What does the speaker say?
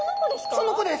その子です。